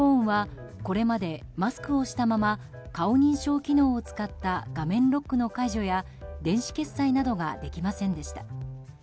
ｉＰｈｏｎｅはこれまでマスクをしたまま顔認証機能を使った画面ロックの解除や電子決済などができませんでした。